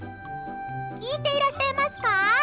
聞いていらっしゃいますか？